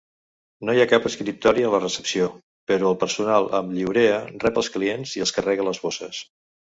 No hi ha cap escriptori a la recepció, però el personal amb lliurea rep els clients i els carrega les bosses.